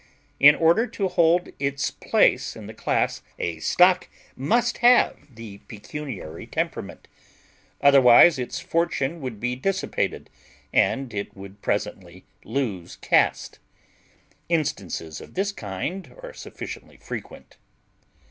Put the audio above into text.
In order to hold its place in the class, a stock must have the pecuniary temperament; otherwise its fortune would be dissipated and it would presently lose caste. Instances of this kind are sufficiently frequent.